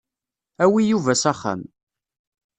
Awi Yuba s axxam.